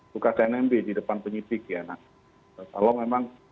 tukar tnb di depan penyitik ya nah kalau memang